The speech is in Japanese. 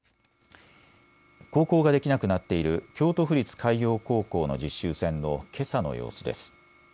航行ができなくなっている京都府立海洋高校の実習船のけさの様子です。